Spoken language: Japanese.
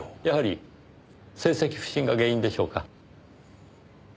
やはり成績不振が原因でしょうか？